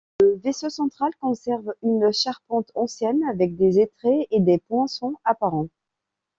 Le vaisseau central conserve une charpente ancienne avec des entraits et des poinçons apparents.